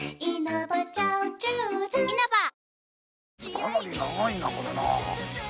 かなり長いなこれなあ。